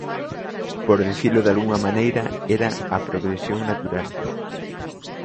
Por dicilo dalgunha maneira, era a progresión natural.